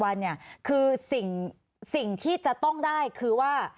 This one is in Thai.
วันเนี่ยคือสิ่งที่จะต้องได้คือว่า